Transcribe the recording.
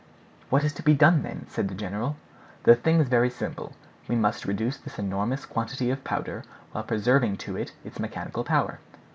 "What is to be done then?" said the general. "The thing is very simple; we must reduce this enormous quantity of powder, while preserving to it its mechanical power."